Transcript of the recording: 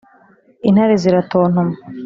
Intare ziratontoma